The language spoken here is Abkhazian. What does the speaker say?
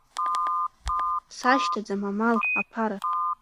Сашьҭаӡам амал, аԥара…